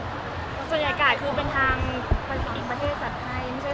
ส่วนใหญ่ก่ายคือเป็นทางอีกประเทศสัตว์ให้